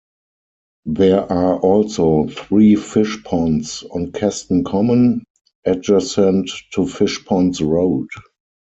There are also three fishponds on Keston Common, adjacent to Fishponds Road.